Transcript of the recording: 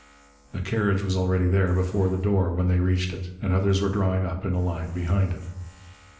A carriage was already before the door when they reached it, and others were drawing up in a line behind it.